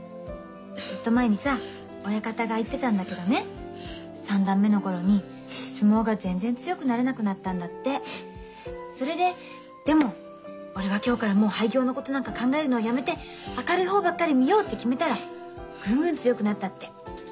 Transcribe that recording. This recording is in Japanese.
ずっと前にさ親方が言ってたんだけどね三段目の頃に相撲が全然強くなれなくなったんだってそれででも俺は今日からもう廃業のことなんか考えるのをやめて明るい方ばっかり見ようって決めたらぐんぐん強くなったって。